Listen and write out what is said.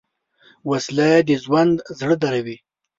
وسله د ژوند زړه دروي